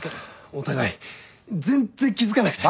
お互い全っ然気付かなくて。